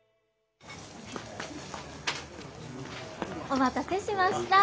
お待たせしました。